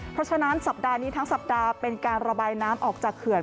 เพราะฉะนั้นสัปดาห์นี้ทั้งสัปดาห์เป็นการระบายน้ำออกจากเขื่อน